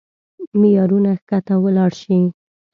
معيارونه کښته ولاړ شي.